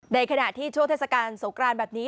ในขณะที่โชคเทศกาลสกรานแบบนี้